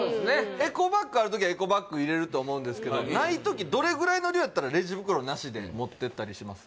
エコバッグある時はエコバッグ入れると思うんですけどない時どれぐらいの量やったらレジ袋なしで持ってったりします？